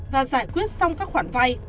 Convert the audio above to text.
và giải quyết xong các khoản vay